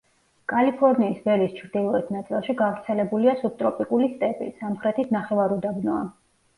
კალიფორნიის ველის ჩრდილოეთ ნაწილში გავრცელებულია სუბტროპიკული სტეპი, სამხრეთით ნახევარუდაბნოა.